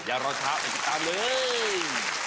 อย่ารอช้าไปติดตามเลย